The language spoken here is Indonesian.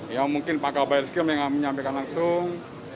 ya mungkin pakar baird skim yang menyampaikan langsung